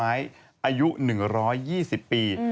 อายุ๑๒๐ปี